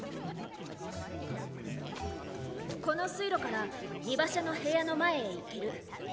この水路から荷馬車の部屋の前へ行ける。